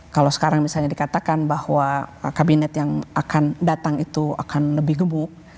kalau sekarang misalnya dikatakan bahwa kabinet yang akan datang itu akan lebih gebuk